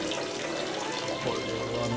これはね